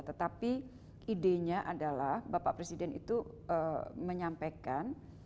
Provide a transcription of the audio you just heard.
tetapi idenya adalah bapak presiden itu menyampaikan